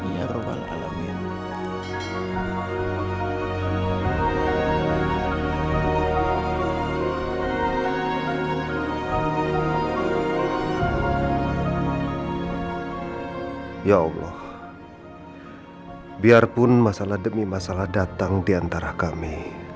ya allah biarpun masalah demi masalah datang diantara kami